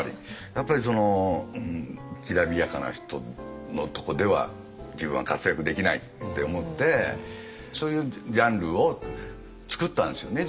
やっぱりそのきらびやかな人のとこでは自分は活躍できないって思ってそういうジャンルを作ったんですよね